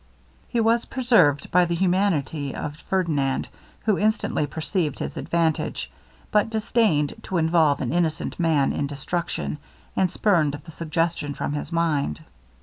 He was preserved by the humanity of Ferdinand, who instantly perceived his advantage, but disdained to involve an innocent man in destruction, and spurned the suggestion from his mind.